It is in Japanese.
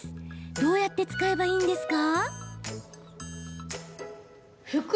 どうやって使えばいいんですか？